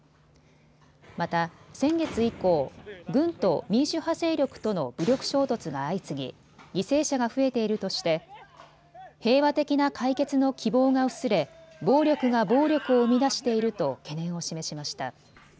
また、先月以降、軍と民主派勢力との武力衝突が相次ぎ犠牲者が増えているとして平和的な解決の希望が薄れ暴力が暴力を生み出していると懸念を示しました。